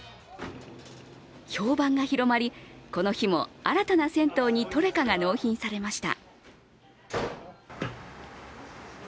評判が広まり、この日も新たな銭湯にトレカが納品されました。